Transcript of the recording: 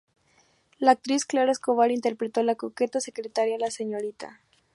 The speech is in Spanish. La actriz Clara Escobar interpretó a la coqueta secretaria, la "Srta.